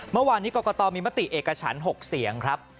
เมื่อวานนี้กรกตมีมติเอกฉัน๖เสียงครับ